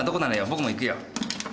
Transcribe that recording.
僕も行くよ。